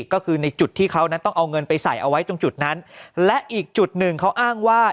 ก็คือในจุดที่เขานั้นต้องเอาเงินไปใส่เอาไว้ตรงจุดนั้นและอีกจุดหนึ่งเขาอ้างว่า